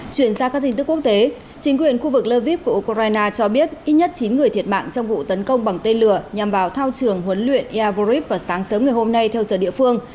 chuyển sang các tin tức quốc tế chính quyền khu vực lơviv của ukraine cho biết ít nhất chín người thiệt mạng trong vụ tấn công bằng tên lửa nhằm vào thao trường huấn luyện iavorris vào sáng sớm ngày hôm nay theo giờ địa phương